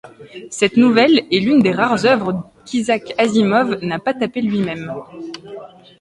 Cette nouvelle est l'une des rares œuvres qu'Isaac Asimov n'a pas tapées lui-même.